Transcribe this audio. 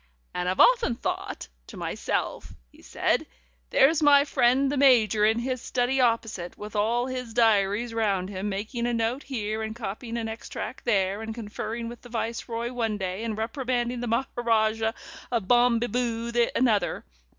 "And, often I've thought to myself," he said, "'There's my friend the Major in his study opposite, with all his diaries round him, making a note here, and copying an extract there, and conferring with the Viceroy one day, and reprimanding the Maharajah of Bom be boo another.